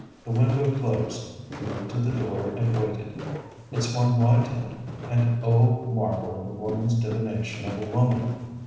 The window closed. He went to the door and waited. It swung wide to him; and O marvel of a woman's divination of a woman!